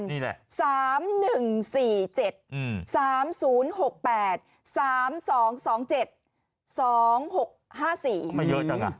ไม่เยอะจัง